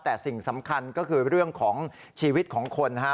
แต่สิ่งสำคัญก็คือเรื่องของชีวิตของคนนะฮะ